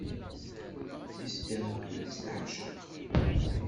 Isderɣel-itt leɛceq.